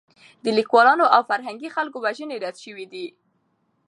د لیکوالانو او فرهنګي خلکو وژنې رد شوې دي.